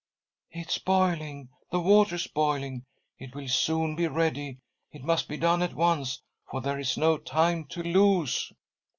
" It's boiling— the water's boiling ; it will soon be ready. It must be done at once, for there is no time to lose."